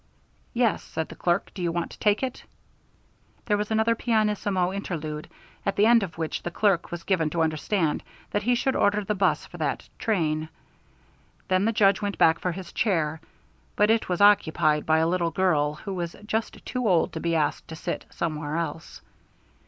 "Yes," said the clerk. "Do you want to take it?" There was another pianissimo interlude, at the end of which the clerk was given to understand that he should order the 'bus for that train. Then the Judge went back for his chair, but it was occupied by a little girl who was just too old to be asked to sit somewhere else.